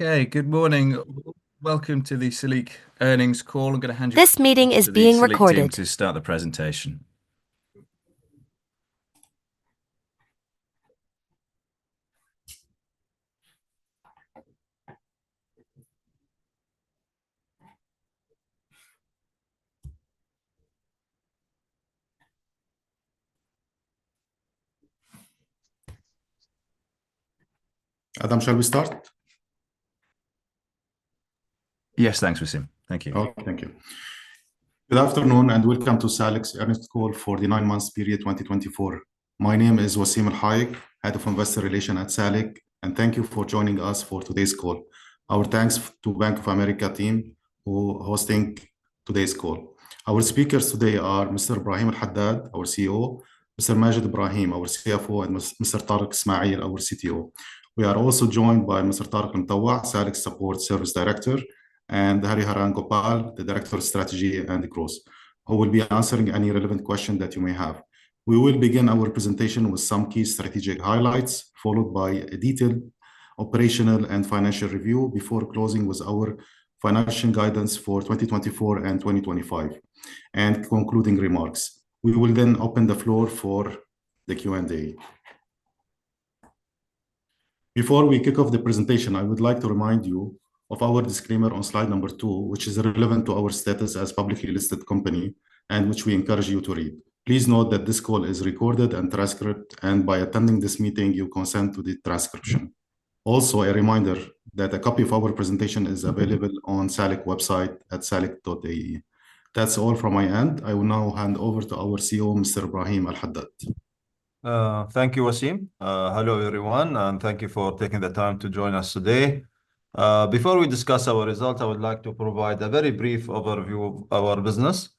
Okay, good morning. Welcome to the Salik Earnings Call. I'm going to hand you. This meeting is being recorded. And we're going to start the presentation. Adam, shall we start? Yes, thanks, Wassim. Thank you. Oh, thank you. Good afternoon and welcome to Salik's Earnings Call for the Nine-Month Period 2024. My name is Wassim El Hayek, Head of Investor Relations at Salik, and thank you for joining us for today's call. Our thanks to the Bank of America team for hosting today's call. Our speakers today are Mr. Ibrahim Al Haddad, our CEO, Mr. Maged Ibrahim, our CFO, and Mr. Tamim Ismail, our CTO. We are also joined by Mr. Tariq Almutawa, Salik's Support Services Director, and Hariharan Gopalakrishnan, the Director of Strategy and Growth. He will be answering any relevant questions that you may have. We will begin our presentation with some key strategic highlights, followed by a detailed operational and financial review before closing with our financial guidance for 2024 and 2025 and concluding remarks. We will then open the floor for the Q&A. Before we kick off the presentation, I would like to remind you of our disclaimer on slide number two, which is relevant to our status as a publicly listed company and which we encourage you to read. Please note that this call is recorded and transcribed, and by attending this meeting, you consent to the transcription. Also, a reminder that a copy of our presentation is available on Salik's website at salik.ai. That's all from my end. I will now hand over to our CEO, Mr. Ibrahim Al Haddad. Thank you, Wassim. Hello everyone, and thank you for taking the time to join us today. Before we discuss our results, I would like to provide a very brief overview of our business.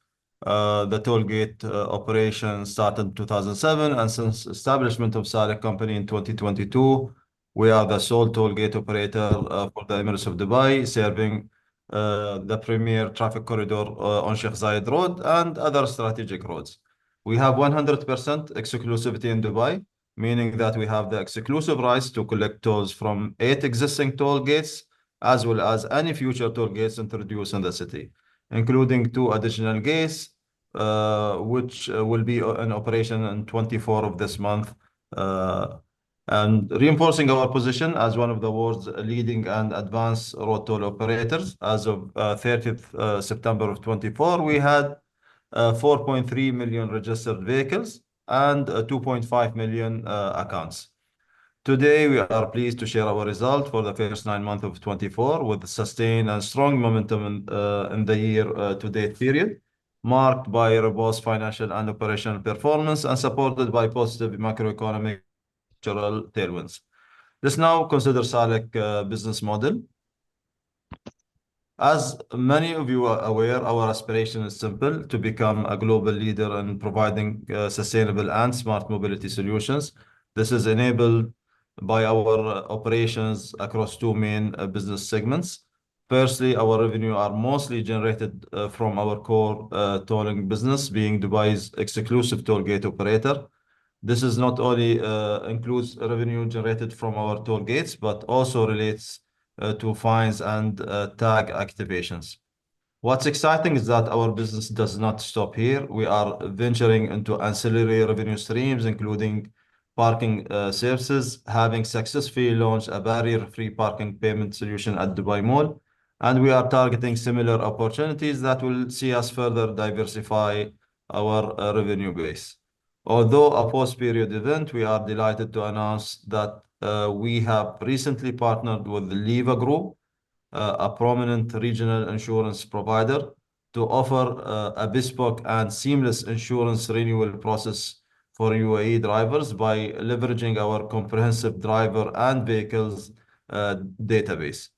The tollgate operation started in 2007, and since the establishment of Salik Company in 2022, we are the sole tollgate operator for the Emirate of Dubai, serving the premier traffic corridor on Sheikh Zayed Road and other strategic roads. We have 100% exclusivity in Dubai, meaning that we have the exclusive rights to collect tolls from eight existing tollgates, as well as any future tollgates introduced in the city, including two additional gates, which will be in operation on the 24th of this month, and reinforcing our position as one of the world's leading and advanced road toll operators, as of 30 September 2024, we had 4.3 million registered vehicles and 2.5 million accounts. Today, we are pleased to share our result for the first nine months of 2024, with sustained and strong momentum in the year-to-date period, marked by robust financial and operational performance and supported by positive macroeconomic tailwinds. Let's now consider Salik's business model. As many of you are aware, our aspiration is simple: to become a global leader in providing sustainable and smart mobility solutions. This is enabled by our operations across two main business segments. Firstly, our revenues are mostly generated from our core tolling business, being Dubai's exclusive tollgate operator. This not only includes revenue generated from our tollgates, but also relates to fines and TAG activations. What's exciting is that our business does not stop here. We are venturing into ancillary revenue streams, including parking services, having successfully launched a barrier-free parking payment solution at Dubai Mall, and we are targeting similar opportunities that will see us further diversify our revenue base. Although a post-period event, we are delighted to announce that we have recently partnered with Liva Group, a prominent regional insurance provider, to offer a bespoke and seamless insurance renewal process for UAE drivers by leveraging our comprehensive driver and vehicles database.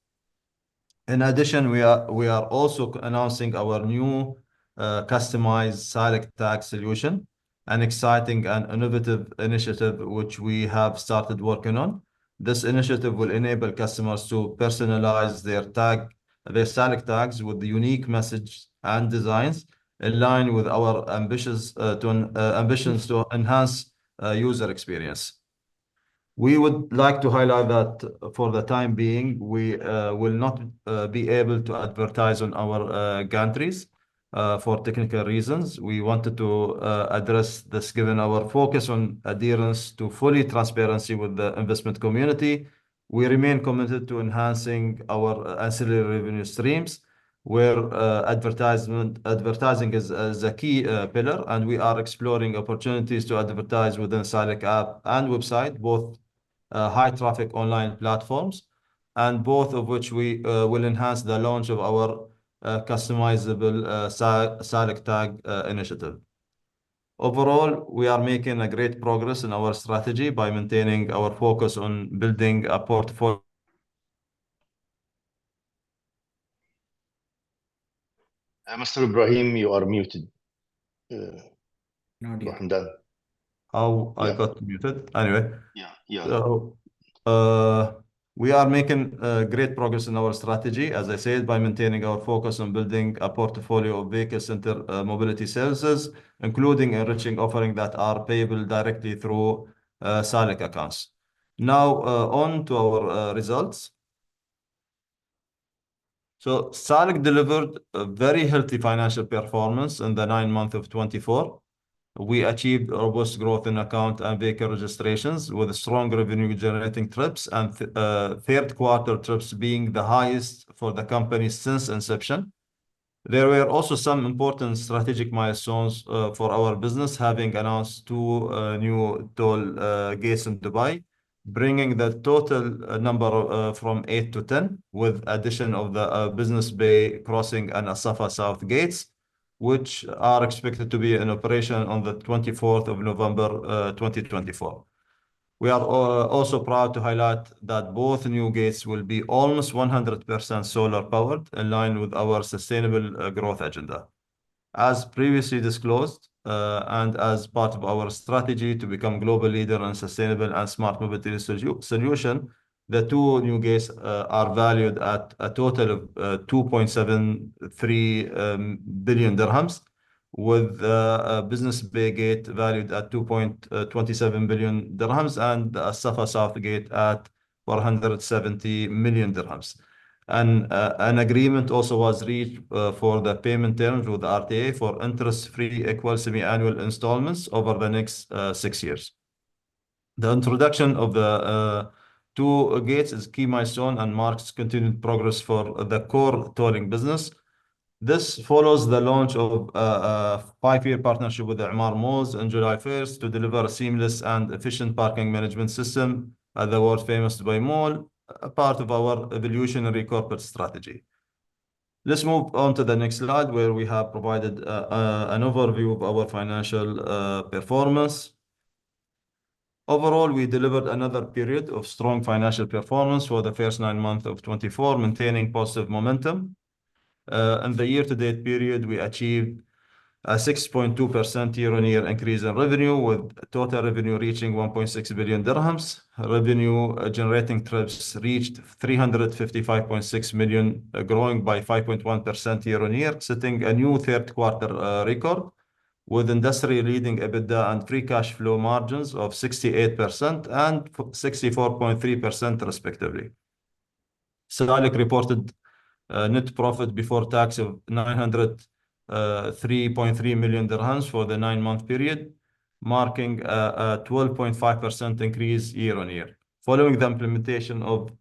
In addition, we are also announcing our new customized Salik tag solution, an exciting and innovative initiative which we have started working on. This initiative will enable customers to personalize their Salik tags with unique messages and designs in line with our ambitions to enhance user experience. We would like to highlight that for the time being, we will not be able to advertise on our gantries for technical reasons. We wanted to address this, given our focus on adherence to full transparency with the investment community. We remain committed to enhancing our ancillary revenue streams, where advertising is a key pillar, and we are exploring opportunities to advertise within the Salik App and Salik Website, both high-traffic online platforms, and both of which we will enhance the launch of our customizable Salik Tag initiative. Overall, we are making great progress in our strategy by maintaining our focus on building a portfolio. Mr. Ibrahim, you are muted. No deal. How I got muted? Anyway. Yeah, yeah. We are making great progress in our strategy, as I said, by maintaining our focus on building a portfolio of vehicle-centered mobility services, including enriching offerings that are payable directly through Salik accounts. Now, on to our results. Salik delivered a very healthy financial performance in the nine months of 2024. We achieved robust growth in account and vehicle registrations, with strong revenue-generating trips, and Q3 trips being the highest for the company since inception. There were also some important strategic milestones for our business, having announced two new tollgates in Dubai, bringing the total number from eight to 10, with the addition of the Business Bay Crossing and Al Safa South gates, which are expected to be in operation on the 24th of November 2024. We are also proud to highlight that both new gates will be almost 100% solar-powered, in line with our sustainable growth agenda. As previously disclosed and as part of our strategy to become a global leader in sustainable and smart mobility solutions, the two new gates are valued at a total of 2.73 billion dirhams, with a Business Bay gate valued at 2.27 billion dirhams and the Al Safa South gate at 470 million dirhams. An agreement also was reached for the payment terms with RTA for interest-free, equal semi-annual installments over the next six years. The introduction of the two gates is a key milestone and marks continued progress for the core tolling business. This follows the launch of a five-year partnership with the Emaar Malls on July 1 to deliver a seamless and efficient parking management system at the world-famous Dubai Mall, part of our evolutionary corporate strategy. Let's move on to the next slide, where we have provided an overview of our financial performance. Overall, we delivered another period of strong financial performance for the first nine months of 2024, maintaining positive momentum. In the year-to-date period, we achieved a 6.2% year-on-year increase in revenue, with total revenue reaching 1.6 billion dirhams. Revenue-generating trips reached 355.6 million, growing by 5.1% year-on-year, setting a new Q3 record, with industry-leading EBITDA and free cash flow margins of 68% and 64.3%, respectively. Salik reported net profit before tax of 903.3 million dirhams for the nine-month period, marking a 12.5% increase year-on-year. Following the implementation of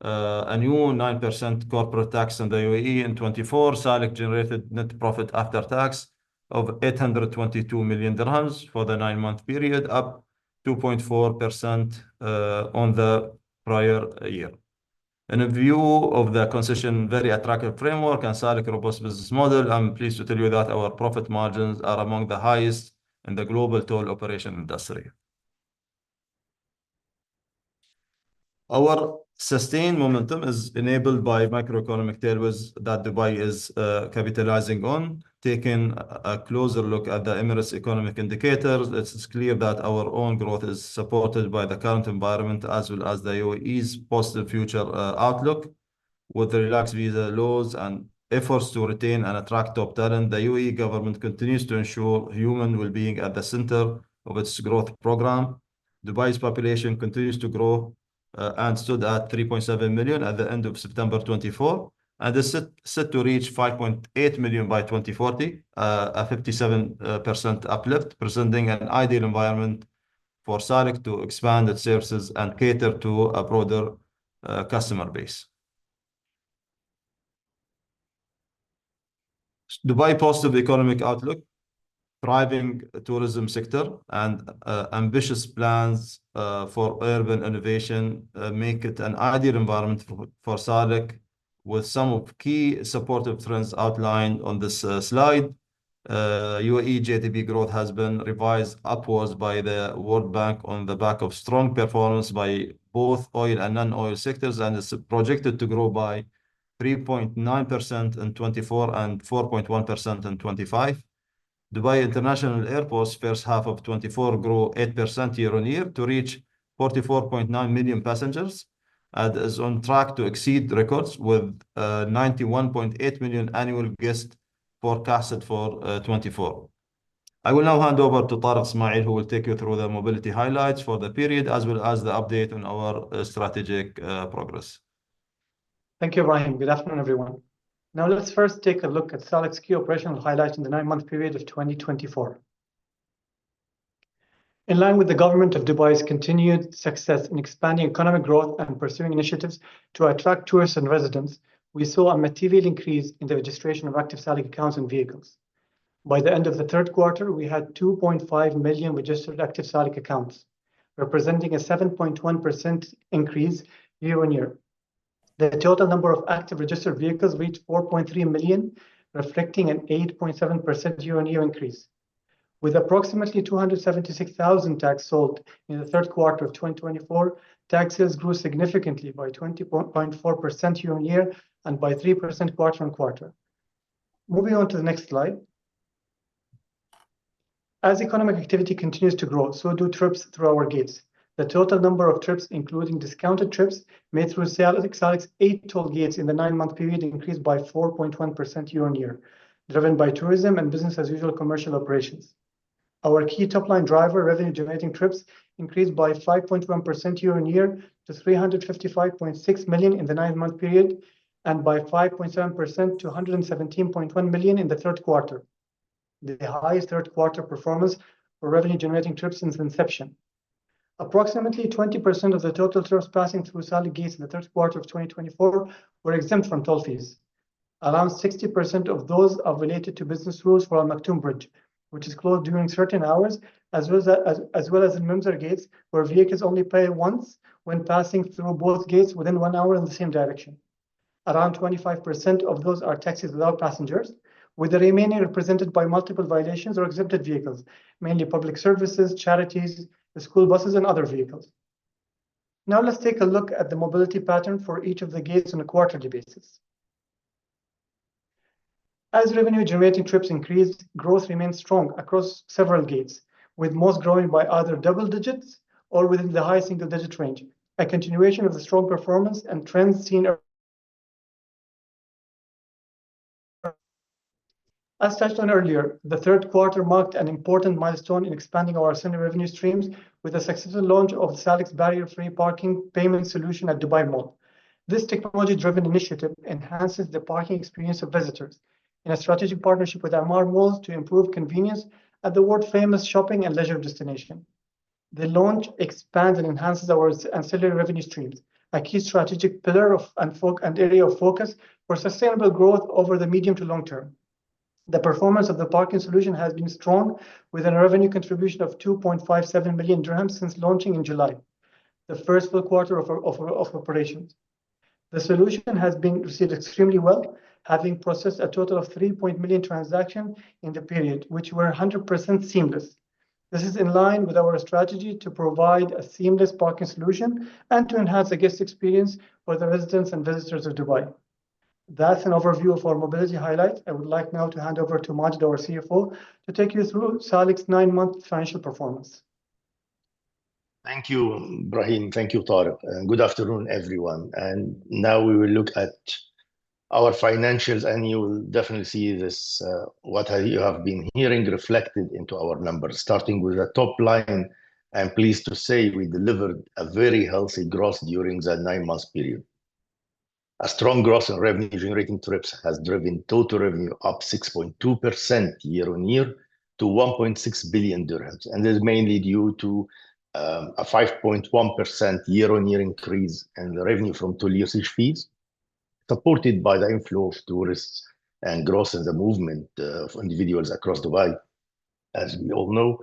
a new 9% corporate tax in the UAE in 2024, Salik generated net profit after tax of 822 million dirhams for the nine-month period, up 2.4% on the prior year. In view of the consistent, very attractive framework and Salik's robust business model, I'm pleased to tell you that our profit margins are among the highest in the global toll operation industry. Our sustained momentum is enabled by macroeconomic tailwinds that Dubai is capitalizing on. Taking a closer look at the Emirates' economic indicators, it's clear that our own growth is supported by the current environment as well as the UAE's positive future outlook. With the relaxed visa laws and efforts to retain and attract top talent, the UAE government continues to ensure human well-being at the center of its growth program. Dubai's population continues to grow and stood at 3.7 million at the end of September 2024, and is set to reach 5.8 million by 2040, a 57% uplift, presenting an ideal environment for Salik to expand its services and cater to a broader customer base. Dubai's positive economic outlook, thriving tourism sector, and ambitious plans for urban innovation make it an ideal environment for Salik, with some key supportive trends outlined on this slide. UAE GDP growth has been revised upwards by the World Bank on the back of strong performance by both oil and non-oil sectors, and it's projected to grow by 3.9% in 2024 and 4.1% in 2025. Dubai International Airport's first half of 2024 grew 8% year-on-year to reach 44.9 million passengers and is on track to exceed records with 91.8 million annual guests forecasted for 2024. I will now hand over to Tamim Ismail, who will take you through the mobility highlights for the period, as well as the update on our strategic progress. Thank you, Ibrahim. Good afternoon, everyone. Now, let's first take a look at Salik's key operational highlights in the nine-month period of 2024. In line with the government of Dubai's continued success in expanding economic growth and pursuing initiatives to attract tourists and residents, we saw a material increase in the registration of active Salik accounts and vehicles. By the end of the Q3, we had 2.5 million registered active Salik accounts, representing a 7.1% increase year-on-year. The total number of active registered vehicles reached 4.3 million, reflecting an 8.7% year-on-year increase. With approximately 276,000 tags sold in the Q3 of 2024, tags grew significantly by 20.4% year-on-year and by 3% quarter-on-quarter. Moving on to the next slide. As economic activity continues to grow, so do trips through our gates. The total number of trips, including discounted trips made through Salik's eight tollgates in the nine-month period, increased by 4.1% year-on-year, driven by tourism and business-as-usual commercial operations. Our key top-line driver, revenue-generating trips, increased by 5.1% year-on-year to 355.6 million in the nine-month period and by 5.7% to 117.1 million in the Q3, the highest Q3 performance for revenue-generating trips since inception. Approximately 20% of the total trips passing through Salik gates in the Q3 of 2024 were exempt from toll fees. Around 60% of those are related to business rules for Al Maktoum Bridge, which is closed during certain hours, as well as in Al Mamzar Gates, where vehicles only pay once when passing through both gates within one hour in the same direction. Around 25% of those are taxis without passengers, with the remaining represented by multiple violations or exempted vehicles, mainly public services, charities, school buses, and other vehicles. Now, let's take a look at the mobility pattern for each of the gates on a quarterly basis. As revenue-generating trips increased, growth remained strong across several gates, with most growing by either double digits or within the high single-digit range, a continuation of the strong performance and trends seen. As touched on earlier, the Q3 marked an important milestone in expanding our ancillary revenue streams with the successful launch of Salik's barrier-free parking payment solution at Dubai Mall. This technology-driven initiative enhances the parking experience of visitors in a strategic partnership with Emaar Malls to improve convenience at the world-famous shopping and leisure destination. The launch expands and enhances our ancillary revenue streams, a key strategic pillar and area of focus for sustainable growth over the medium to long term. The performance of the parking solution has been strong, with a revenue contribution of 2.57 million dirhams since launching in July, the first full quarter of operations. The solution has been received extremely well, having processed a total of 3.1 million transactions in the period, which were 100% seamless. This is in line with our strategy to provide a seamless parking solution and to enhance the guest experience for the residents and visitors of Dubai. That's an overview of our mobility highlights. I would like now to hand over to Maged, our CFO, to take you through Salik's nine-month financial performance. Thank you, Ibrahim. Thank you, Tamim. Good afternoon, everyone. And now we will look at our financials, and you will definitely see what you have been hearing reflected into our numbers, starting with the top line. I'm pleased to say we delivered a very healthy growth during the nine-month period. A strong growth in revenue-generating trips has driven total revenue up 6.2% year-on-year to 1.6 billion dirhams, and this is mainly due to a 5.1% year-on-year increase in the revenue from toll usage fees, supported by the inflow of tourists and growth in the movement of individuals across Dubai, as we all know,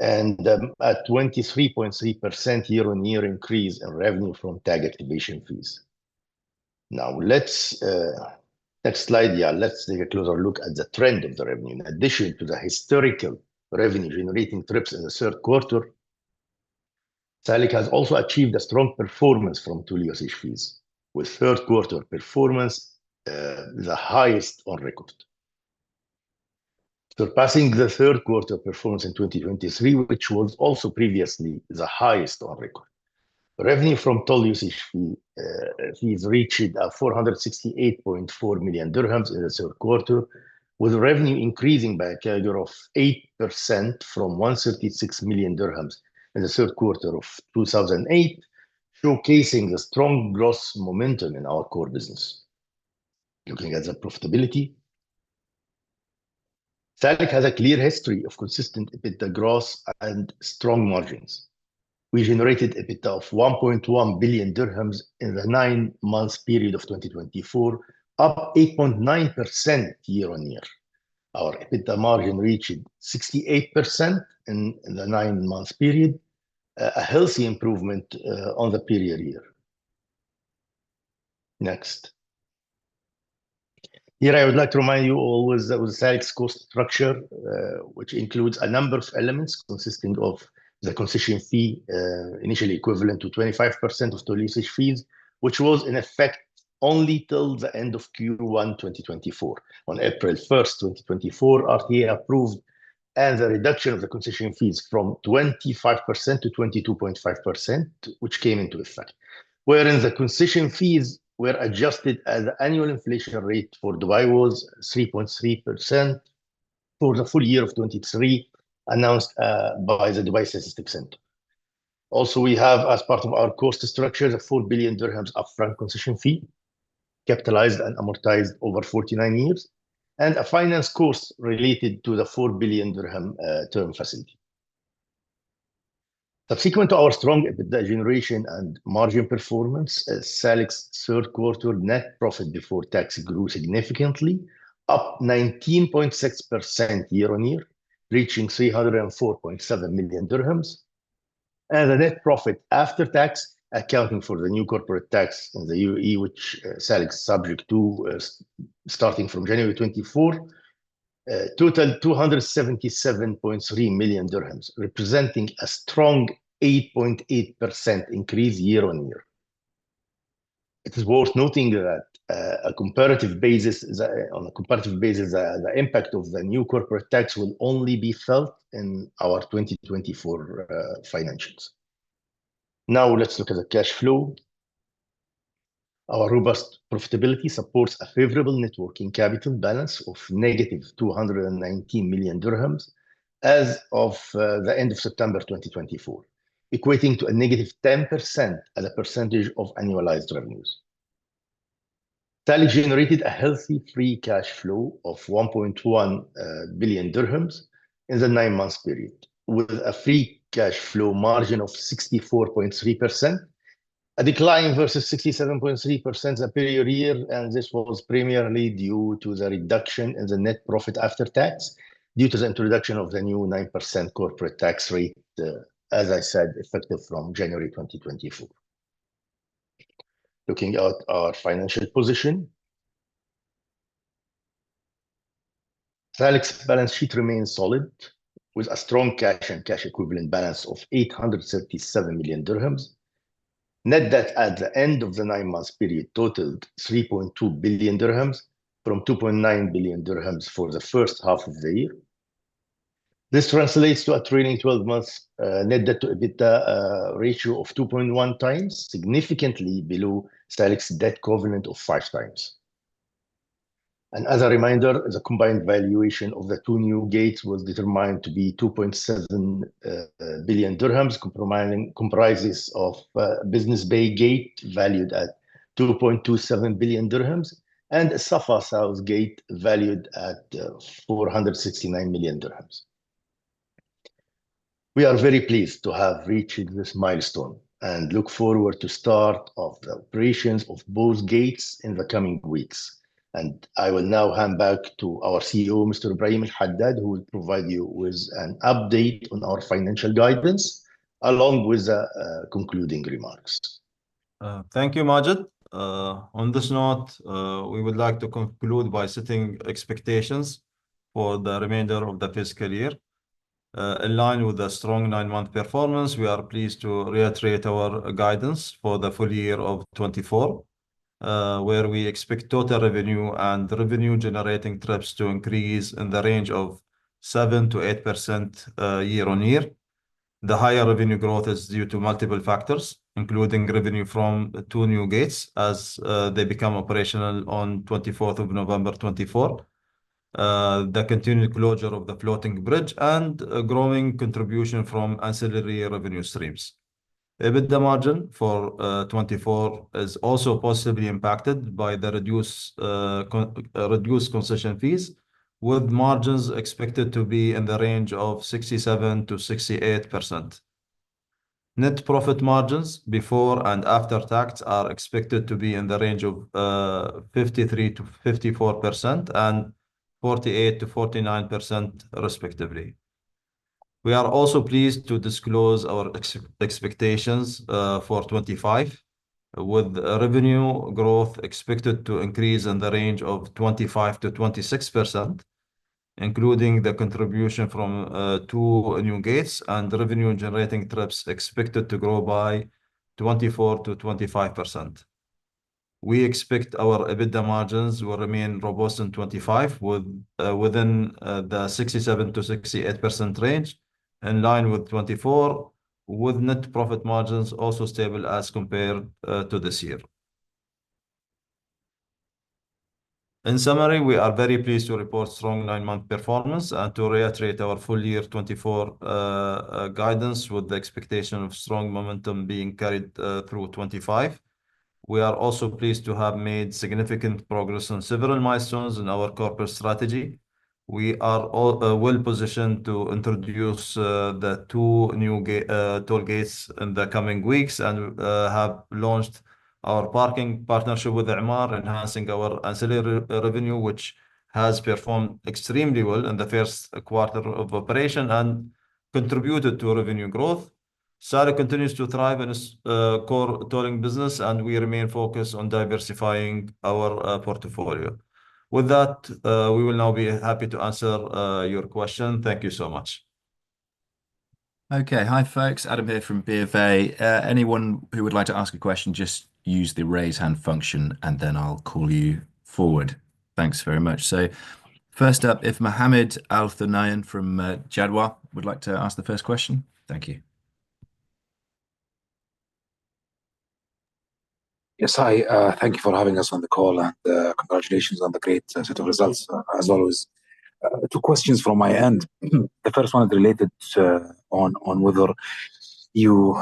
and a 23.3% year-on-year increase in revenue from tag activation fees. Now, next slide, yeah, let's take a closer look at the trend of the revenue. In addition to the historical revenue-generating trips in the Q3 Salik has also achieved a strong performance from toll usage fees, with Q3 performance the highest on record, surpassing the Q3 performance in 2023, which was also previously the highest on record. Revenue from toll usage fees reached 468.4 million dirhams in the Q3, with revenue increasing by a CAGR of 8% from 136 million dirhams in the Q3 of 2008, showcasing the strong gross momentum in our core business. Looking at the profitability, Salik has a clear history of consistent EBITDA growth and strong margins. We generated EBITDA of 1.1 billion dirhams in the nine-month period of 2024, up 8.9% year-on-year. Our EBITDA margin reached 68% in the nine-month period, a healthy improvement on the period here. Next. Here, I would like to remind you all that Salik's cost structure, which includes a number of elements consisting of the concession fee initially equivalent to 25% of toll usage fees, which was in effect only till the end of Q1 2024. On April 1, 2024, RTA approved the reduction of the concession fees from 25% to 22.5%, which came into effect, wherein the concession fees were adjusted as the annual inflation rate for Dubai was 3.3% for the full year of 2023, announced by the Dubai Statistics Center. Also, we have, as part of our cost structure, the 4 billion dirhams upfront concession fee capitalized and amortized over 49 years, and a finance cost related to the 4 billion dirham term facility. Subsequent to our strong EBITDA generation and margin performance, Salik's Q3 net profit before tax grew significantly, up 19.6% year-on-year, reaching 304.7 million dirhams. The net profit after tax, accounting for the new corporate tax in the UAE, which Salik is subject to starting from January 2024, totaled 277.3 million dirhams, representing a strong 8.8% increase year-on-year. It is worth noting that on a comparative basis, the impact of the new corporate tax will only be felt in our 2024 financials. Now, let's look at the cash flow. Our robust profitability supports a favorable working capital balance of negative 219 million dirhams as of the end of September 2024, equating to a negative 10% as a percentage of annualized revenues. Salik generated a healthy free cash flow of 1.1 billion dirhams in the nine-month period, with a free cash flow margin of 64.3%, a decline versus 67.3% a period year, and this was primarily due to the reduction in the net profit after tax due to the introduction of the new 9% corporate tax rate, as I said, effective from January 2024. Looking at our financial position, Salik's balance sheet remains solid, with a strong cash and cash equivalent balance of 837 million dirhams. Net debt at the end of the nine-month period totaled 3.2 billion dirhams, from 2.9 billion dirhams for the first half of the year. This translates to a trailing 12-month net debt-to-EBITDA ratio of 2.1 times, significantly below Salik's debt covenant of five times. As a reminder, the combined valuation of the two new gates was determined to be 2.7 billion dirhams, comprising Business Bay gate valued at 2.27 billion dirhams and Al Safa South gate valued at 469 million dirhams. We are very pleased to have reached this milestone and look forward to the start of the operations of both gates in the coming weeks. I will now hand back to our CEO, Mr. Ibrahim Al Haddad, who will provide you with an update on our financial guidance, along with concluding remarks. Thank you, Maged. On this note, we would like to conclude by setting expectations for the remainder of the fiscal year. In line with the strong nine-month performance, we are pleased to reiterate our guidance for the full year of 2024, where we expect total revenue and revenue-generating trips to increase in the range of 7%-8% year-on-year. The higher revenue growth is due to multiple factors, including revenue from two new gates as they become operational on 24 November 2024, the continued closure of the floating bridge, and a growing contribution from ancillary revenue streams. EBITDA margin for 2024 is also possibly impacted by the reduced concession fees, with margins expected to be in the range of 67%-68%. Net profit margins before and after tax are expected to be in the range of 53%-54% and 48%-49%, respectively. We are also pleased to disclose our expectations for 2025, with revenue growth expected to increase in the range of 25%-26%, including the contribution from two new gates and revenue-generating trips expected to grow by 24%-25%. We expect our EBITDA margins will remain robust in 2025, within the 67%-68% range, in line with 2024, with net profit margins also stable as compared to this year. In summary, we are very pleased to report strong nine-month performance and to reiterate our full year 2024 guidance, with the expectation of strong momentum being carried through 2025. We are also pleased to have made significant progress on several milestones in our corporate strategy. We are well positioned to introduce the two new tollgates in the coming weeks and have launched our parking partnership with Emaar, enhancing our ancillary revenue, which has performed extremely well in the Q1 of operation and contributed to revenue growth. Salik continues to thrive in its core tolling business, and we remain focused on diversifying our portfolio. With that, we will now be happy to answer your question. Thank you so much. Okay. Hi, folks. Adam here from BofA. Anyone who would like to ask a question, just use the raise hand function, and then I'll call you forward. Thanks very much. So first up, if Mohammed Al Haddad from Jadwa would like to ask the first question. Thank you. Yes, hi. Thank you for having us on the call, and congratulations on the great set of results, as always. Two questions from my end. The first one is related to whether you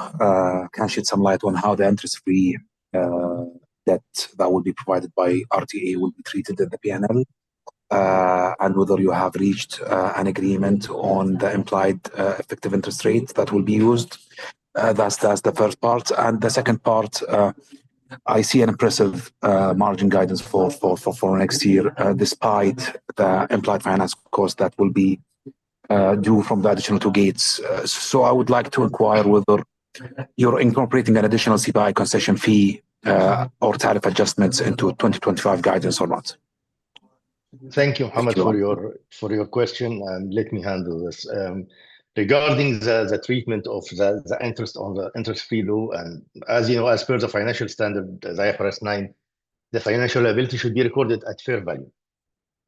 can shed some light on how the interest-free debt that will be provided by RTA will be treated in the P&L, and whether you have reached an agreement on the implied effective interest rate that will be used. That's the first part. And the second part, I see an impressive margin guidance for next year, despite the implied finance cost that will be due from the additional two gates. So I would like to inquire whether you're incorporating an additional CPI concession fee or tariff adjustments into 2025 guidance or not? Thank you, Mohammed, for your question, and let me handle this. Regarding the treatment of the interest on the interest-free loan, as you know, as per the financial standard IFRS 9, the financial liability should be recorded at fair value,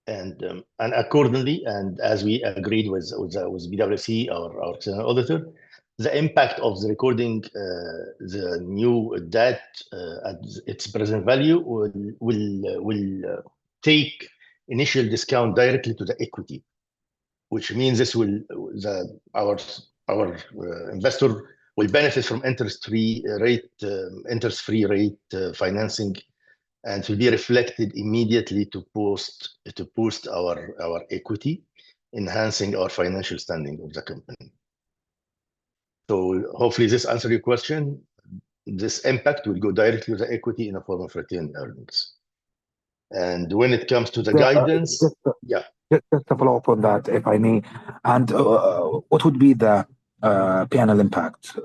and accordingly, and as we agreed with PwC, our external auditor, the impact of recording the new debt at its present value will take initial discount directly to the equity, which means our investor will benefit from interest-free rate financing and will be reflected immediately to boost our equity, enhancing our financial standing of the company, so hopefully, this answers your question. This impact will go directly to the equity in the form of retained earnings. And when it comes to the guidance. Just to follow up on that, if I may, and what would be the P&L impact?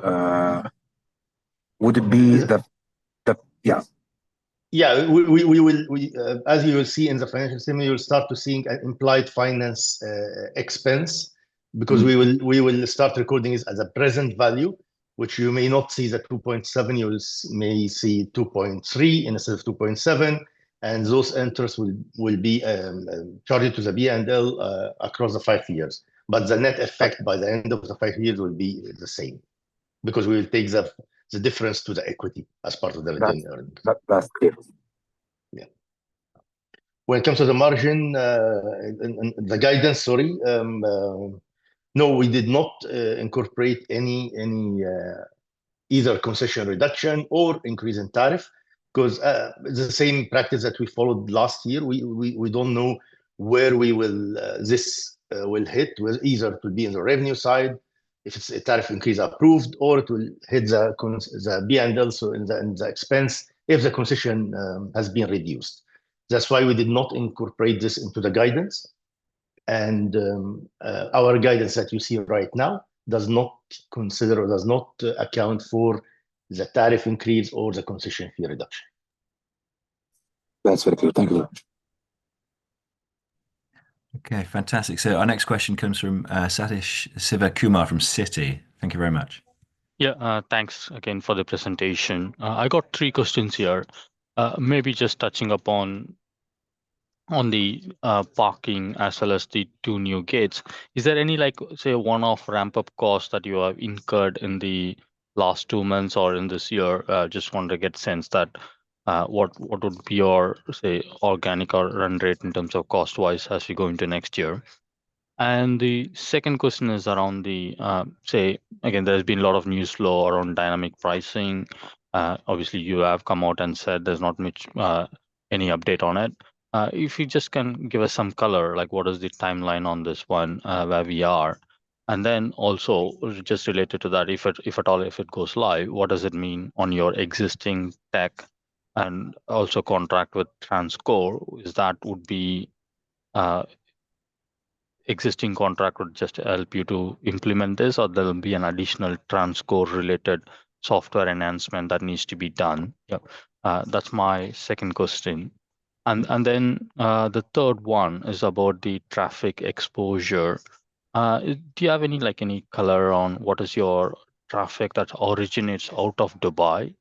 Would it be the. Yeah. Yeah. As you will see in the financial statement, you'll start to see an implied finance expense because we will start recording it as a present value, which you may not see the 2.7. You may see 2.3 instead of 2.7. And those interests will be charged to the P&L across the five years. But the net effect by the end of the five years will be the same because we will take the difference to the equity as part of the retained earnings. That's clear. Yeah. When it comes to the margin, the guidance, sorry, no, we did not incorporate either concession reduction or increase in tariff because it's the same practice that we followed last year. We don't know where this will hit. It will either be on the revenue side if it's a tariff increase approved, or it will hit the P&L, so in the expense, if the concession has been reduced. That's why we did not incorporate this into the guidance. Our guidance that you see right now does not consider or does not account for the tariff increase or the concession fee reduction. That's very clear. Thank you very much. Okay. Fantastic. So our next question comes from Satish Sivakumar from Citi. Thank you very much. Yeah. Thanks again for the presentation. I got three questions here. Maybe just touching upon the parking as well as the two new gates. Is there any, say, one-off ramp-up cost that you have incurred in the last two months or in this year? Just want to get a sense of what would be your, say, organic or run rate in terms of cost-wise as we go into next year. And the second question is around the, say, again, there has been a lot of news flow around dynamic pricing. Obviously, you have come out and said there's not much any update on it. If you just can give us some color, what is the timeline on this one, where we are? And then also, just related to that, if at all, if it goes live, what does it mean on your existing tech and also contract with TransCore? Is that would be existing contract would just help you to implement this, or there will be an additional TransCore-related software enhancement that needs to be done? That's my second question, and then the third one is about the traffic exposure. Do you have any color on what is your traffic that originates out of Dubai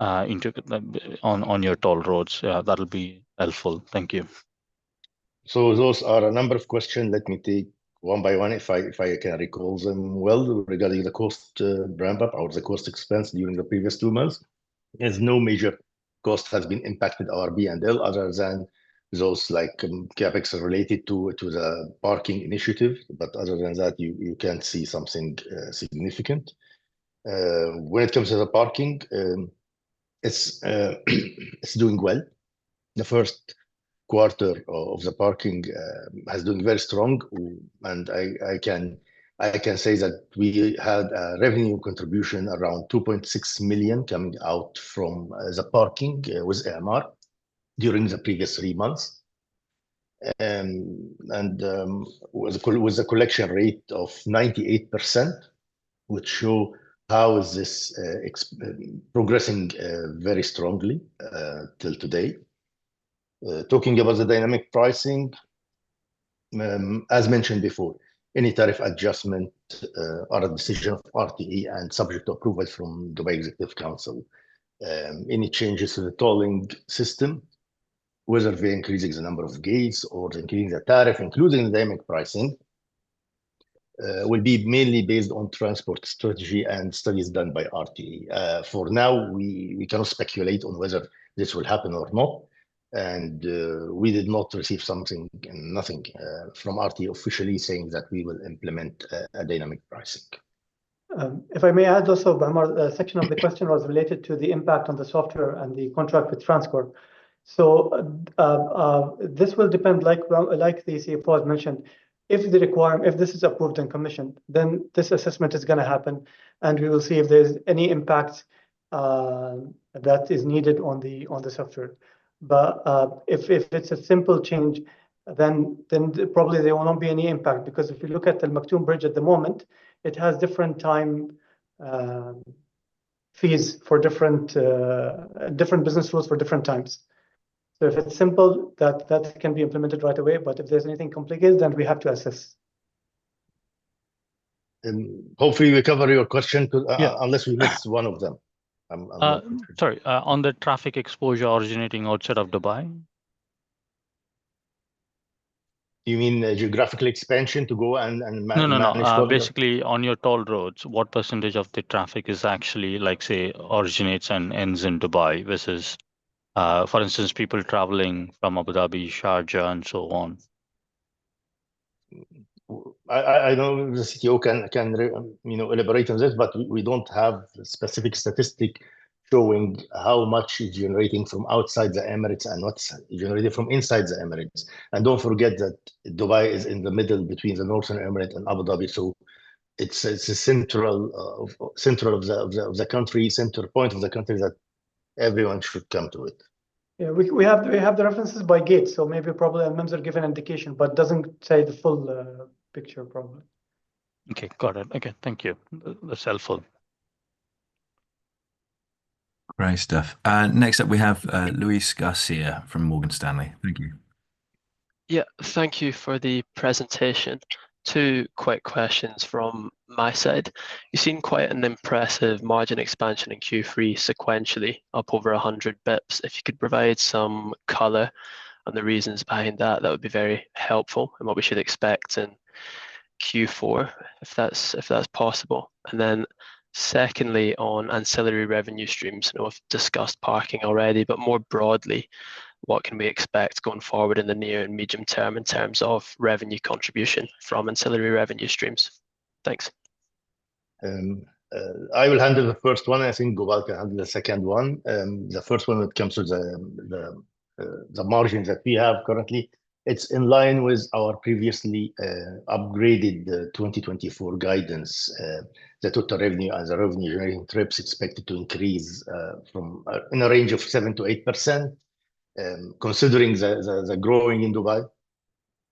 on your toll roads? That'll be helpful. Thank you. So those are a number of questions. Let me take one by one if I can recall them well regarding the cost ramp-up or the cost expense during the previous two months. There's no major cost that has been impacted our P&L other than those like CapEx related to the parking initiative. But other than that, you can't see something significant. When it comes to the parking, it's doing well. The Q1 of the parking has been very strong. And I can say that we had a revenue contribution around 2.6 million coming out from the parking with Emaar during the previous three months, and with a collection rate of 98%, which shows how this is progressing very strongly till today. Talking about the dynamic pricing, as mentioned before, any tariff adjustment or a decision of RTA and subject to approval from Dubai Executive Council. Any changes to the tolling system, whether they're increasing the number of gates or increasing the tariff, including the dynamic pricing, will be mainly based on transport strategy and studies done by RTA. For now, we cannot speculate on whether this will happen or not. We did not receive nothing from RTA officially saying that we will implement a dynamic pricing. If I may add also, Mohammed, a section of the question was related to the impact on the software and the contract with TransCore. So this will depend, like the CFO had mentioned, if this is approved and commissioned, then this assessment is going to happen, and we will see if there's any impact that is needed on the software. But if it's a simple change, then probably there will not be any impact because if you look at the Al Maktoum Bridge at the moment, it has different time fees for different business rules for different times. So if it's simple, that can be implemented right away. But if there's anything complicated, then we have to assess. Hopefully, we cover your question unless we miss one of them. Sorry. On the traffic exposure originating outside of Dubai? You mean geographical expansion to go and manage? No, no, no. Basically, on your toll roads, what percentage of the traffic is actually, say, originates and ends in Dubai versus, for instance, people traveling from Abu Dhabi, Sharjah, and so on? I know the CEO can elaborate on this, but we don't have specific statistics showing how much is generating from outside the Emirates and what's generated from inside the Emirates. And don't forget that Dubai is in the middle between the Northern Emirates and Abu Dhabi. So it's a central of the country, center point of the country that everyone should come to it. Yeah. We have the references by gate, so maybe probably admins are given an indication, but it doesn't say the full picture probably. Okay. Got it. Okay. Thank you. That's helpful. Great stuff. Next up, we have Luis Garcia from Morgan Stanley. Thank you. Yeah. Thank you for the presentation. Two quick questions from my side. You've seen quite an impressive margin expansion in Q3 sequentially up over 100 basis points. If you could provide some color on the reasons behind that, that would be very helpful and what we should expect in Q4, if that's possible. And then secondly, on ancillary revenue streams. We've discussed parking already, but more broadly, what can we expect going forward in the near and medium term in terms of revenue contribution from ancillary revenue streams? Thanks. I will handle the first one. I think Gopalakrishnan can handle the second one. The first one, when it comes to the margins that we have currently, it's in line with our previously upgraded 2024 guidance. The total revenue and the revenue-generating trips are expected to increase in a range of 7% to 8%, considering the growth in Dubai.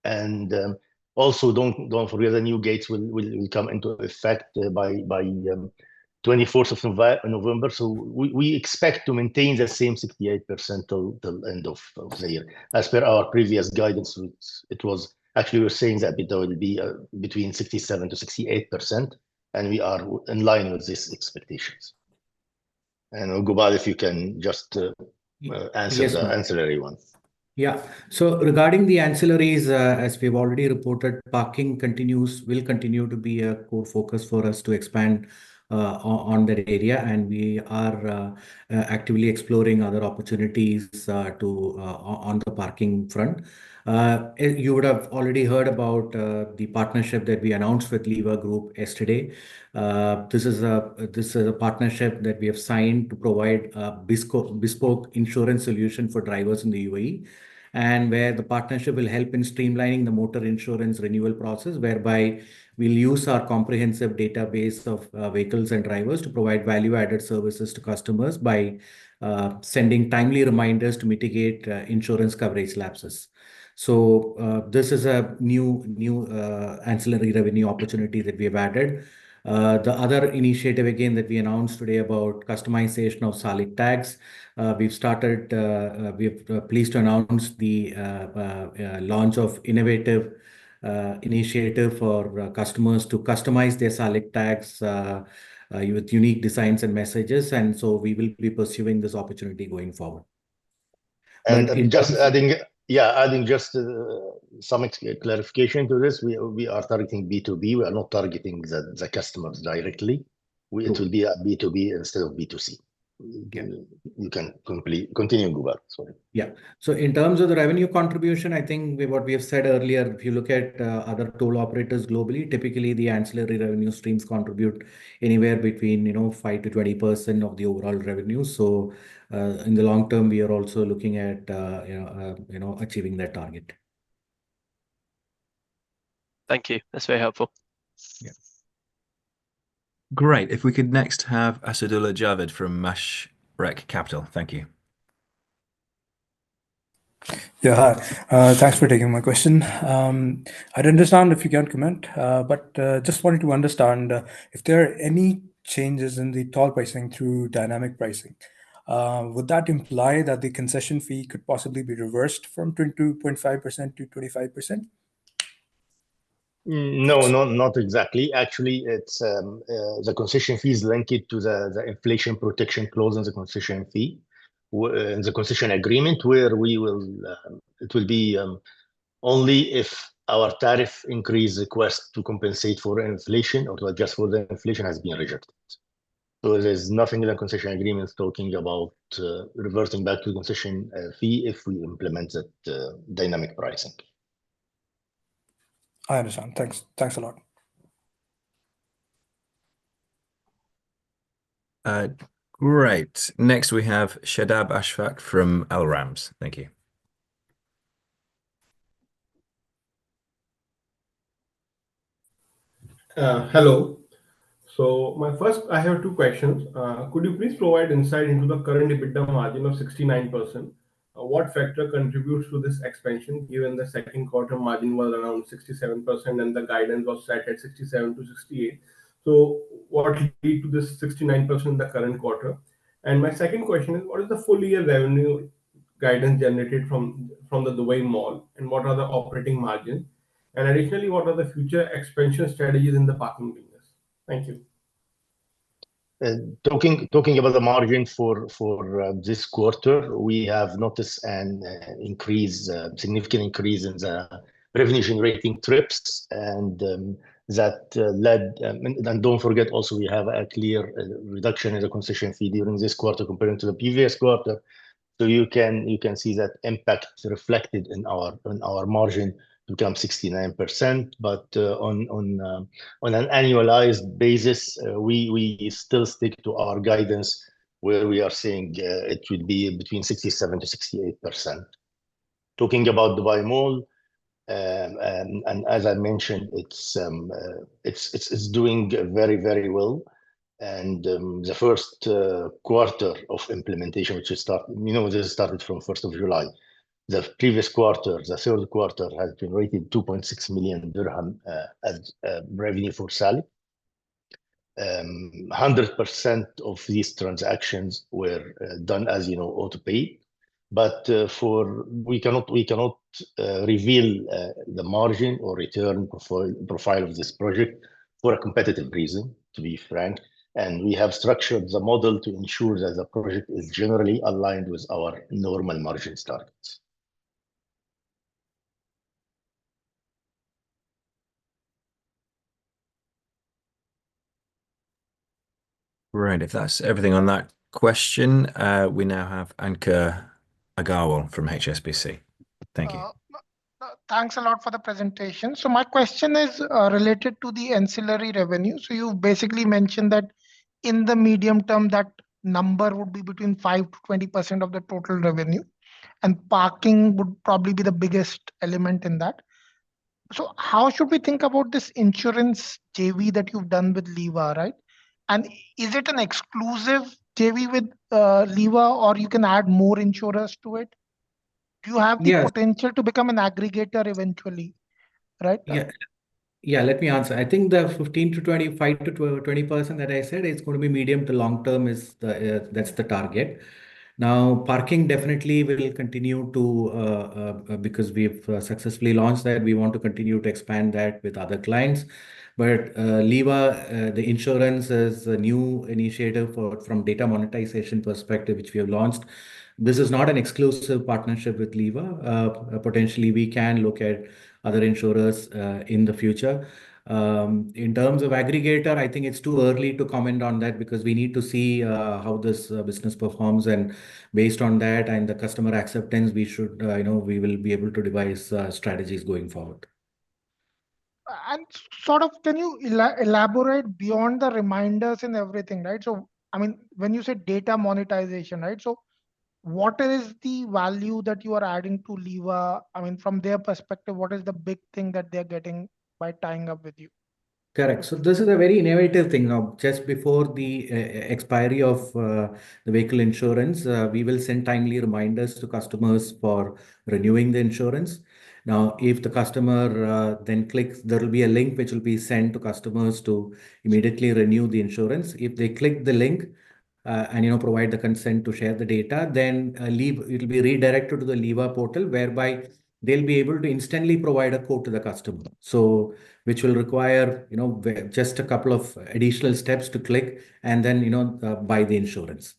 And also, don't forget, the new gates will come into effect by the 24th of November. So we expect to maintain the same 68% till the end of the year. As per our previous guidance, it was actually we were saying that it will be between 67% to 68%, and we are in line with these expectations. And Gopalakrishnan, if you can just answer the ancillary one. Yeah. So regarding the ancillaries, as we've already reported, parking will continue to be a core focus for us to expand on that area. And we are actively exploring other opportunities on the parking front. You would have already heard about the partnership that we announced with Liva Group yesterday. This is a partnership that we have signed to provide a bespoke insurance solution for drivers in the UAE, and where the partnership will help in streamlining the motor insurance renewal process, whereby we'll use our comprehensive database of vehicles and drivers to provide value-added services to customers by sending timely reminders to mitigate insurance coverage lapses. So this is a new ancillary revenue opportunity that we have added. The other initiative, again, that we announced today about customization of Salik tags, we've started. We're pleased to announce the launch of an innovative initiative for customers to customize their Salik tags with unique designs and messages, and so we will be pursuing this opportunity going forward. And just adding, yeah, adding just some clarification to this. We are targeting B2B. We are not targeting the customers directly. It will be B2B instead of B2C. You can continue, Gopalakrishnan. Yeah. So in terms of the revenue contribution, I think what we have said earlier, if you look at other toll operators globally, typically, the ancillary revenue streams contribute anywhere between 5%-20% of the overall revenue. So in the long term, we are also looking at achieving that target. Thank you. That's very helpful. Yeah. Great. If we could next have Asadullah Javed from Mashreq Capital. Thank you. Yeah. Hi. Thanks for taking my question. I’d understand if you can't comment, but just wanted to understand if there are any changes in the toll pricing through dynamic pricing. Would that imply that the concession fee could possibly be reversed from 22.5% to 25%? No, not exactly. Actually, the concession fee is linked to the inflation protection clause in the concession fee, in the concession agreement, where it will be only if our tariff increase request to compensate for inflation or to adjust for the inflation has been rejected. So there's nothing in the concession agreement talking about reverting back to the concession fee if we implemented dynamic pricing. I understand. Thanks a lot. Great. Next, we have Shadab Ashfaq from Al Ramz. Thank you. Hello. So my first, I have two questions. Could you please provide insight into the current EBITDA margin of 69%? What factor contributes to this expansion given the Q2 margin was around 67% and the guidance was set at 67%-68%? So what led to this 69% in the current quarter? And my second question is, what is the full-year revenue guidance generated from the Dubai Mall, and what are the operating margins? And additionally, what are the future expansion strategies in the parking business? Thank you. Talking about the margin for this quarter, we have noticed an increase, significant increase in the revenue-generating trips, and don't forget, also, we have a clear reduction in the concession fee during this quarter compared to the previous quarter, so you can see that impact reflected in our margin to become 69%, but on an annualized basis, we still stick to our guidance where we are seeing it would be between 67%-68%. Talking about Dubai Mall, and as I mentioned, it's doing very, very well, and the Q1 of implementation, which we started, this started from 1st of July. The previous quarter, the Q3, has been rated 2.6 million dirhams as revenue for Salik. 100% of these transactions were done, as you know, autopay. But we cannot reveal the margin or return profile of this project for a competitive reason, to be frank. We have structured the model to ensure that the project is generally aligned with our normal margin starts. Great. If that's everything on that question, we now have Ankur Agarwal from HSBC. Thank you. Thanks a lot for the presentation. So my question is related to the ancillary revenue. So you basically mentioned that in the medium term, that number would be between 5%-20% of the total revenue, and parking would probably be the biggest element in that. So how should we think about this insurance JV that you've done with Liva, right? And is it an exclusive JV with Liva, or you can add more insurers to it? Do you have the potential to become an aggregator eventually, right? Yeah. Yeah. Let me answer. I think the 15%-20%, 5%-20% that I said, it's going to be medium to long term. That's the target. Now, parking definitely will continue to, because we've successfully launched that, we want to continue to expand that with other clients. But Liva, the insurance is a new initiative from data monetization perspective, which we have launched. This is not an exclusive partnership with Liva. Potentially, we can look at other insurers in the future. In terms of aggregator, I think it's too early to comment on that because we need to see how this business performs. And based on that and the customer acceptance, we will be able to devise strategies going forward. And sort of, can you elaborate beyond the reminders and everything, right? So I mean, when you say data monetization, right, so what is the value that you are adding to Liva? I mean, from their perspective, what is the big thing that they're getting by tying up with you? Correct. So this is a very innovative thing. Just before the expiry of the vehicle insurance, we will send timely reminders to customers for renewing the insurance. Now, if the customer then clicks, there will be a link which will be sent to customers to immediately renew the insurance. If they click the link and provide the consent to share the data, then it will be redirected to the Liva portal, whereby they'll be able to instantly provide a quote to the customer, which will require just a couple of additional steps to click and then buy the insurance.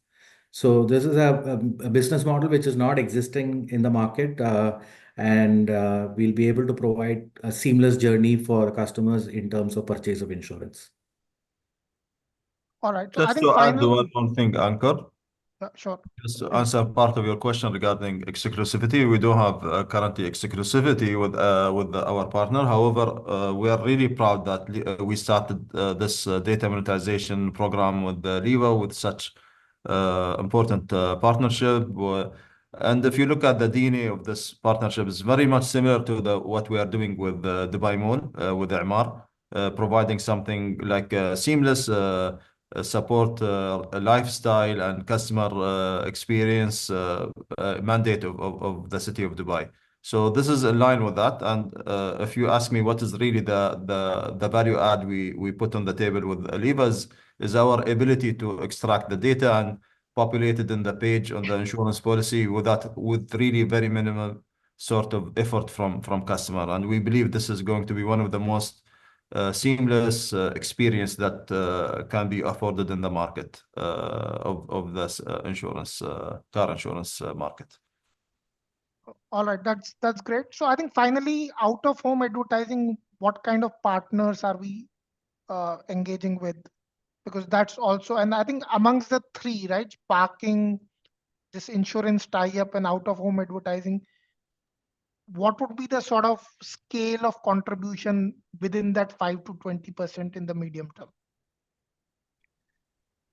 So this is a business model which is not existing in the market, and we'll be able to provide a seamless journey for customers in terms of purchase of insurance. All right. And so I do one thing, Ankur. Sure. As a part of your question regarding exclusivity, we don't have currently exclusivity with our partner. However, we are really proud that we started this data monetization program with Liva with such important partnership. And if you look at the DNA of this partnership, it's very much similar to what we are doing with Dubai Mall, with Emaar, providing something like seamless support, lifestyle, and customer experience mandate of the city of Dubai. So this is in line with that. And if you ask me, what is really the value add we put on the table with Liva is our ability to extract the data and populate it in the page on the insurance policy with really very minimal sort of effort from customer. We believe this is going to be one of the most seamless experiences that can be afforded in the market of this insurance, car insurance market. All right. That's great. So I think finally, out-of-home advertising, what kind of partners are we engaging with? Because that's also, and I think amongst the three, right, parking, this insurance tie-up, and out-of-home advertising, what would be the sort of scale of contribution within that 5%-20% in the medium term?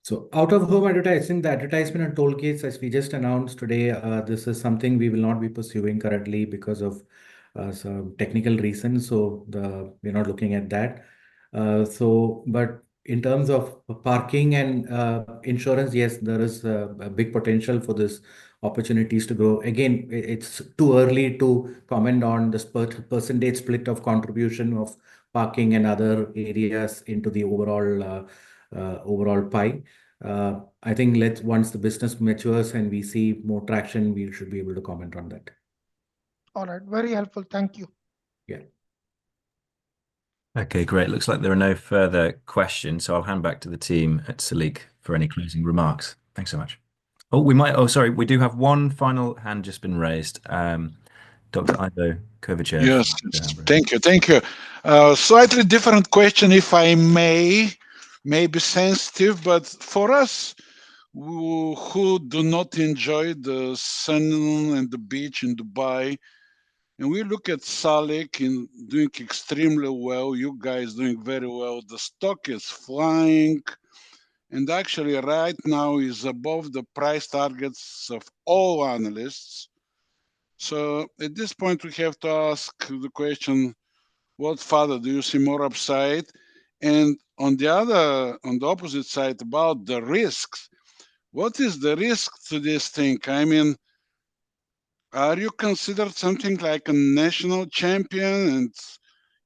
So out-of-home advertising, the advertisement and toll gates, as we just announced today, this is something we will not be pursuing currently because of some technical reasons. So we're not looking at that. But in terms of parking and insurance, yes, there is a big potential for these opportunities to grow. Again, it's too early to comment on the percentage split of contribution of parking and other areas into the overall pie. I think once the business matures and we see more traction, we should be able to comment on that. All right. Very helpful. Thank you. Yeah. Okay. Great. Looks like there are no further questions. So I'll hand back to the team at Salik for any closing remarks. Thanks so much. Oh, we might, oh, sorry, we do have one final hand just been raised. Dr. Ivo Kovačić. Yes. Thank you. Thank you. Slightly different question, if I may, maybe sensitive, but for us who do not enjoy the sun and the beach in Dubai, and we look at Salik doing extremely well, you guys doing very well, the stock is flying, and actually right now is above the price targets of all analysts. So at this point, we have to ask the question, what further do you see more upside? And on the opposite side, about the risks, what is the risk to this thing? I mean, are you considered something like a national champion and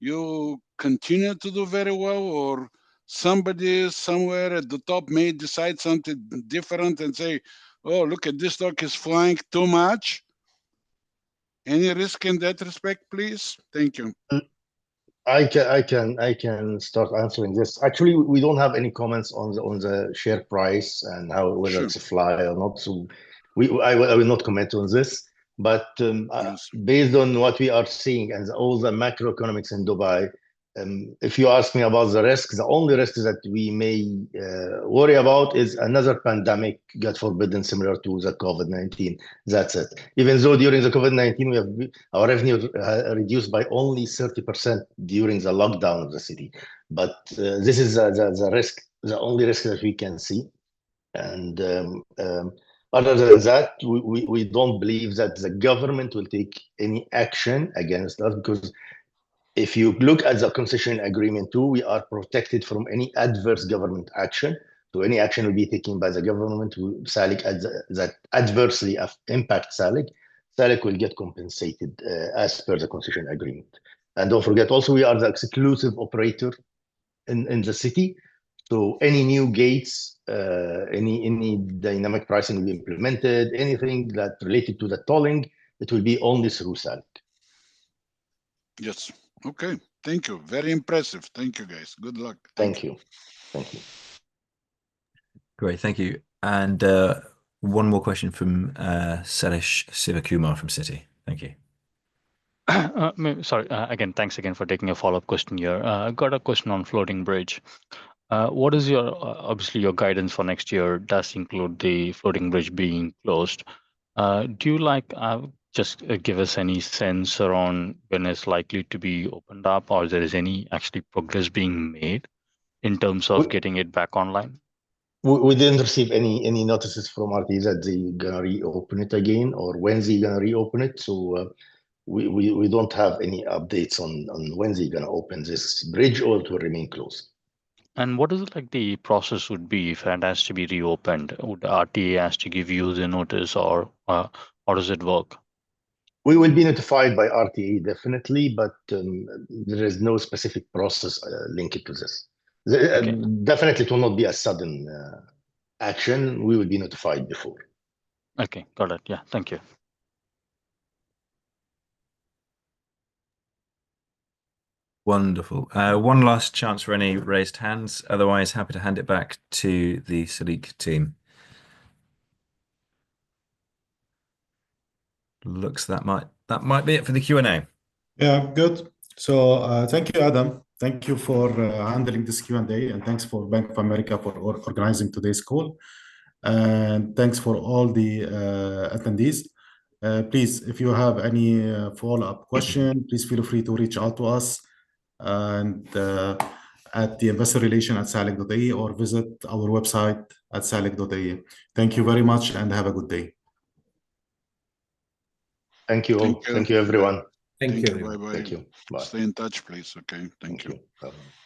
you continue to do very well, or somebody somewhere at the top may decide something different and say, "Oh, look at this stock is flying too much." Any risk in that respect, please? Thank you. I can start answering this. Actually, we don't have any comments on the share price and whether it's a buy or not. So I will not comment on this. But based on what we are seeing and all the macroeconomics in Dubai, if you ask me about the risks, the only risk that we may worry about is another pandemic, God forbid, similar to the COVID-19. That's it. Even though during the COVID-19, our revenue reduced by only 30% during the lockdown of the city. But this is the risk, the only risk that we can see. And other than that, we don't believe that the government will take any action against us because if you look at the concession agreement too, we are protected from any adverse government action. So, any action will be taken by the government, Salik, that adversely impacts Salik. Salik will get compensated as per the concession agreement. And don't forget, also, we are the exclusive operator in the city. So, any new gates, any dynamic pricing will be implemented. Anything that's related to the tolling, it will be only through Salik. Yes. Okay. Thank you. Very impressive. Thank you, guys. Good luck. Thank you. Great. Thank you. And one more question from Satish Sivakumar from Citi. Thank you. Sorry. Again, thanks again for taking a follow-up question here. I've got a question on Floating Bridge. What is obviously your guidance for next year? Does include the Floating Bridge being closed. Do you just give us any sense around when it's likely to be opened up or if there is any actually progress being made in terms of getting it back online? We didn't receive any notices from our team that they're going to reopen it again or when they're going to reopen it so we don't have any updates on when they're going to open this bridge or it will remain closed. What is it like the process would be if it has to be reopened? Would RTA has to give you the notice or how does it work? We will be notified by RTA, definitely, but there is no specific process linked to this. Definitely, it will not be a sudden action. We will be notified before. Okay. Got it. Yeah. Thank you. Wonderful. One last chance for any raised hands. Otherwise, happy to hand it back to the Salik team. Looks like that might be it for the Q&A. Yeah. Good. So thank you, Adam. Thank you for handling this Q&A, and thanks for Bank of America for organizing today's call. And thanks for all the attendees. Please, if you have any follow-up question, please feel free to reach out to us at investorrelations@salik.ai or visit our website at salik.ai. Thank you very much and have a good day. Thank you all. Thank you, everyone. Thank you. Thank you. Thank you. Bye. Stay in touch, please. Okay. Thank you.